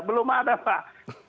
belum ada pak